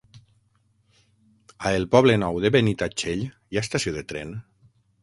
A el Poble Nou de Benitatxell hi ha estació de tren?